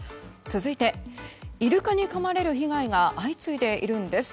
続いてイルカにかまれる被害が相次いでいるんです。